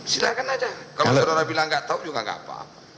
silahkan aja kalau saudara bilang nggak tahu juga nggak apa apa